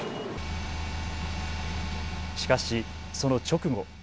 しかしその直後。